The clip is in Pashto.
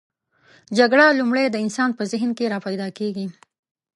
جګړه لومړی د انسان په ذهن کې راپیداکیږي.